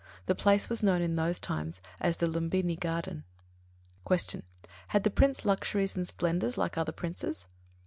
The place was known in those times as the Lumbinī Garden. 21. Q. _Had the Prince luxuries and splendours like other Princes?